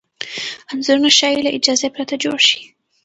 انځورونه ښايي له اجازې پرته جوړ شي.